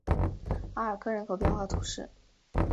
阿尔科人口变化图示